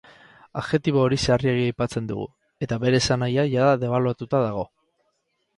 Adjektibo hori sarriegi aipatzen dugu, eta bere esanahia jada debaluatuta dago.